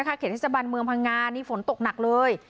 เขตเทศบันเมืองพังงานี่ฝนตกหนักเลย